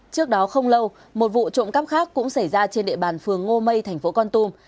trước đó không lâu một vụ trộm cắp khác cũng xảy ra trên địa bàn phường ngô mây thành phố con tum